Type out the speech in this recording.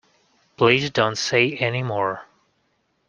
Please don't say any more.